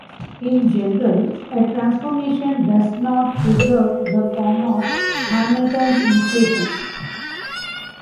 In general, a transformation does not preserve the form of Hamilton's equations.